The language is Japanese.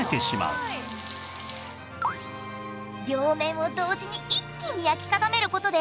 両面を同時に一気に焼き固める事で。